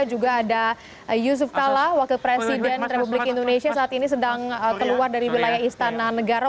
juga ada yusuf kala wakil presiden republik indonesia saat ini sedang keluar dari wilayah istana negara